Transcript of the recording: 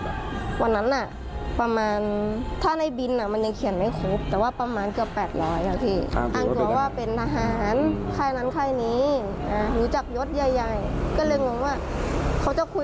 ฝากรับตัวให้ติดตามกรรยีอย่างนี้